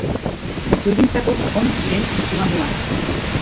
Zurgintzako on diren zuhamuak.